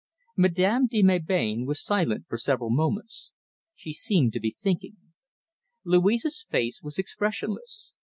Madame de Melbain was silent for several moments. She seemed to be thinking. Louise's face was expressionless.